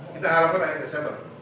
kita harapkan akhir desember